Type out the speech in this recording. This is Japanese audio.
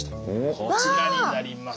こちらになります。